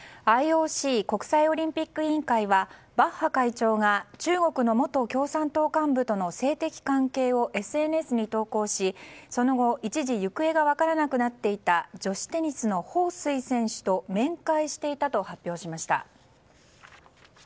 ＩＯＣ・国際オリンピック委員会はバッハ会長が中国の元共産党幹部との性的関係をＳＮＳに投稿しその後、一時行方が分からなくなっていた女子テニスのホウ・スイ選手と面会していたと発表しました。